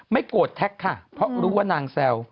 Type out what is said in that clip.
โกรธแท็กค่ะเพราะรู้ว่านางแซว